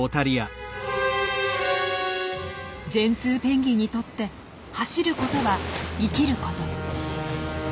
ジェンツーペンギンにとって走ることは生きること。